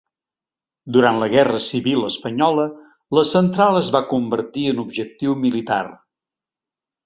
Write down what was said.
Durant la Guerra Civil Espanyola la central es va convertir en objectiu militar.